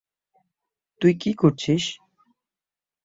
তুই কী করছিস?